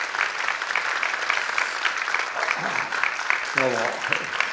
どうも。